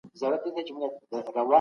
دلته هر تيږه تاريخ لري.